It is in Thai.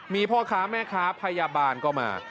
มีพ่อค้าแม่ค้าพยาบาลก็มา